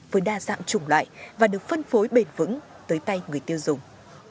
với đa dạng chủng loại và được phân phối bền vững tới tay người tiêu dùng